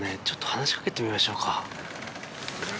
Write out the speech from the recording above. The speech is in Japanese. ちょっと話しかけてみましょうか。